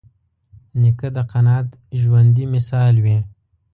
نیکه د قناعت ژوندي مثال وي.